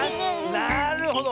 なるほど。